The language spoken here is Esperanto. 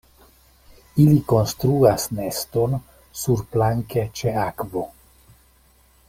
Ili konstruas neston surplanke ĉe akvo.